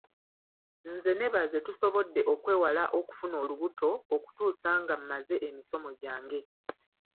Nze ne baze tusobodde okwewala okufuna olubuto okutuusa nga maze emisomo gyange.